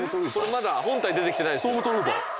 まだ本体出てきてないです。